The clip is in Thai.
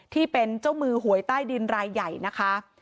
ที่เป็นเจ้ามือหวยใต้ดินรายใหญ่นะคะ